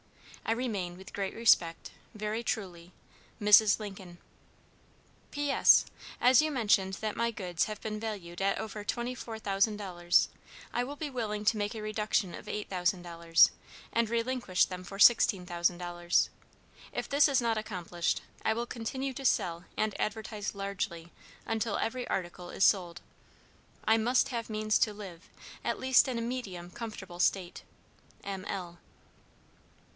"I remain, with great respect, very truly, "MRS. LINCOLN. "P.S. As you mention that my goods have been valued at over $24,000, I will be willing to make a reduction of $8,000, and relinquish them for $16,000. If this is not accomplished, I will continue to sell and advertise largely until every article is sold. "I must have means to live, at least in a medium comfortable state. "M. L."